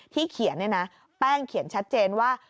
เขียนเนี่ยนะแป้งเขียนชัดเจนว่า